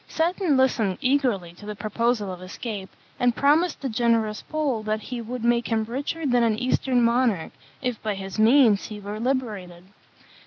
Seton listened eagerly to the proposal of escape, and promised the generous Pole that he would make him richer than an eastern monarch if by his means he were liberated.